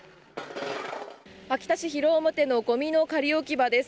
秋田市広面のごみの仮置き場です。